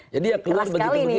jadi ya keluar begitu begitu